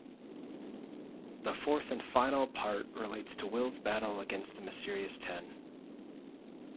The fourth and final part relates to Will's battle against the mysterious Ten.